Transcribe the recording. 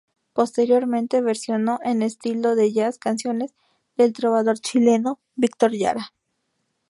Posteriormente versionó en estilo de jazz canciones del trovador chileno Víctor Jara.